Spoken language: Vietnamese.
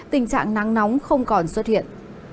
tình trạng nắng nóng không còn xuất hiện